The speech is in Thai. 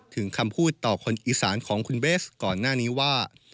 คำพูดต่อคนอีสานของคุณเบสก่อนหน้านี้ว่า